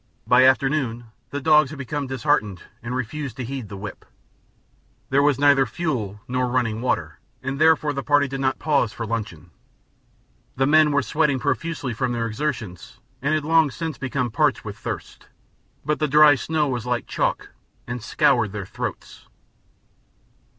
By afternoon the dogs had become disheartened and refused to heed the whip. There was neither fuel nor running water, and therefore the party did not pause for luncheon. The men were sweating profusely from their exertions and had long since become parched with thirst, but the dry snow was like chalk and scoured their throats.